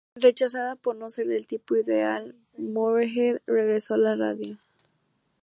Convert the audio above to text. Rechazada por no ser "del tipo ideal", Moorehead regresó a la radio.